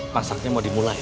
masaknya mau dimulai